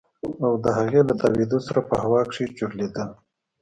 او د هغې له تاوېدو سره په هوا کښې چورلېدل.